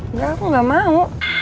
enggak aku gak mau